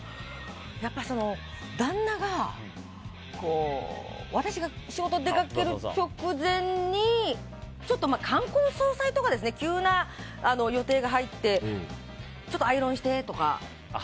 やっぱり、旦那が私が仕事に出かける直前にちょっと冠婚葬祭とか急な予定が入ってアイロンしてとか。